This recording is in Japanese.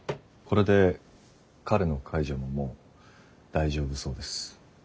これで彼の介助ももう大丈夫そうです。